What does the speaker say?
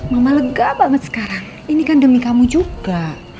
mama lega banget sekarang ini kan demi kamu juga